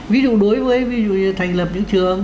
ví dụ đối với thành lập những trường